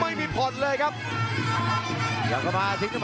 ไม่มีผ่อนเลยครับ